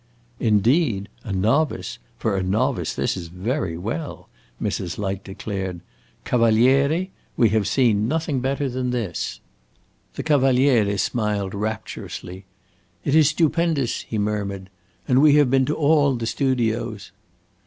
"Indeed? a novice! For a novice this is very well," Mrs. Light declared. "Cavaliere, we have seen nothing better than this." The Cavaliere smiled rapturously. "It is stupendous!" he murmured. "And we have been to all the studios."